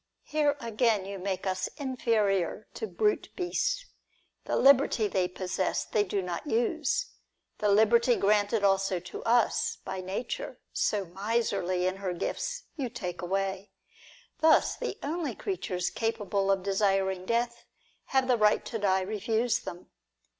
Here again you make us inferior to brute beasts. The liberty they possess, they do not use ; the liberty granted also to us by Nature, so miserly in her gifts, you take away. Thus, the only creatures capable of desiring death, have the right to die refused them.